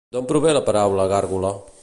D'on prové la paraula gàrgola?